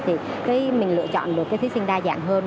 thì mình lựa chọn được cái thí sinh đa dạng hơn